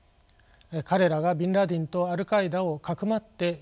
彼らがビン・ラディンとアルカイダをかくまっていたからです。